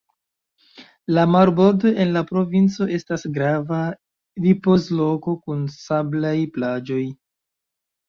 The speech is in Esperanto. La marbordo en la provinco estas grava ripozloko kun sablaj plaĝoj.